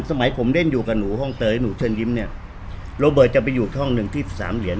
สมัยผมเล่นอยู่กับหนูห้องเตยหนูเชิญยิ้มเนี่ยโรเบิร์ตจะไปอยู่ห้องหนึ่งที่สามเหรียญ